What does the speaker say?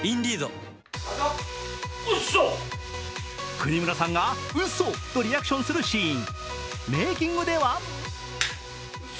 國村さんが「ウソ」とリアクションするシーン。